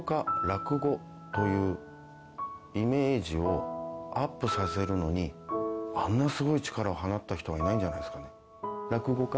落語家、落語というイメージをアップさせるのに、あんなすごい力を放った人はいないんじゃないですか？